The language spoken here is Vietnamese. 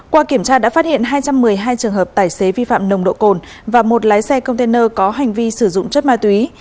qua kiểm tra đã phát hiện hai trăm một mươi hai trường hợp tài xế vi phạm nồng độ cồn và một lái xe container có hành vi sử dụng chất ma túy